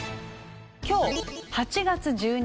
今日８月１２日。